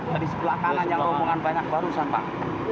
dari sebelah kanan yang rombongan banyak barusan pak